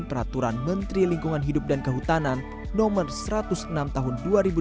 peraturan menteri lingkungan hidup dan kehutanan no satu ratus enam tahun dua ribu dua puluh